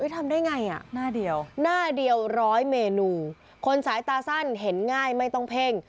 ทำได้อย่างไรน่ะหน้าเดียวร้อยเมนูคนสายตาสั้นเห็นง่ายไม่ต้องเพ่ง